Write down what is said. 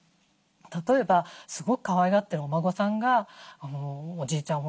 例えばすごくかわいがってるお孫さんが「おじいちゃん